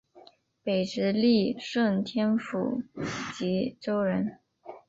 北直隶顺天府蓟州人。